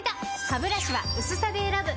ハブラシは薄さで選ぶ！